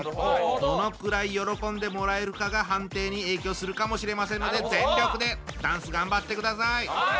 どのくらい喜んでもらえるかが判定に影響するかもしれませんので全力でダンス頑張ってください。